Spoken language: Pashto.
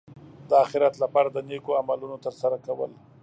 د اخرت لپاره د نېکو عملونو ترسره کول.